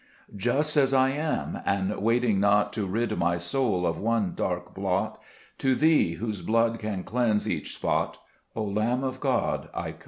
2 Just as I am, and waiting not To rid my soul of one dark blot, To Thee, whose blood can cleanse each spot, O Lamb of God, I come.